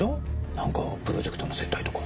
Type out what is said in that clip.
何かプロジェクトの接待とか。